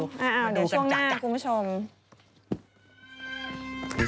มาดูกันจัก